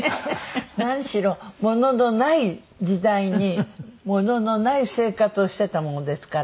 何しろもののない時代にもののない生活をしてたものですから。